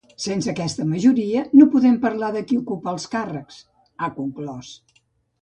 Sense aquesta majoria, no podem parlar de qui ocupa els càrrecs, ha conclòs.